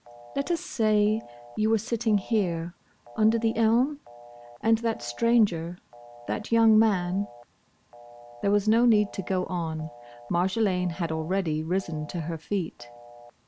"Let us say, you were sitting here, under the elm? And that stranger, that young man—" There was no need to go on. Marjolaine had already risen to her feet.